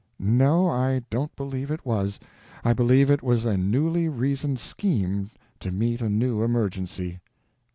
No, I don't believe it was. I believe it was a newly reasoned scheme to meet a new emergency.